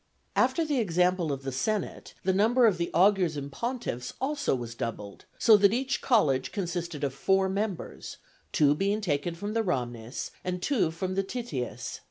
After the example of the senate the number of the augurs and pontiffs also was doubled, so that each college consisted of four members, two being taken from the Ramnes and two from the Tities.